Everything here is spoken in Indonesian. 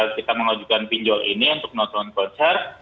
kita mengajukan pinjol ini untuk nonton konser